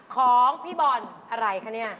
ของพี่บอลอะไรคะเนี่ย